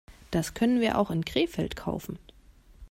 Das können wir auch in Krefeld kaufen